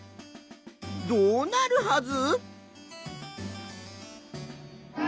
どうなるはず？